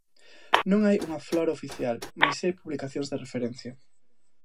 Non hai unha "flora oficial" mais si hai publicacións de referencia.